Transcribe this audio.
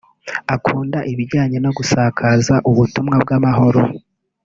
Akunda ibijyanye no gusakaza ubutumwa bw’amahoro